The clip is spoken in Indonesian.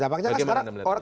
dampaknya lah sekarang